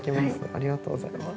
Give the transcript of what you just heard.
ありがとうございます